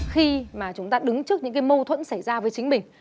khi mà chúng ta đứng trước những cái mâu thuẫn xảy ra với chính mình